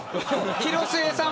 広末さん